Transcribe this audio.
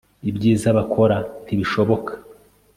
ibyiza bakora ntibishoboka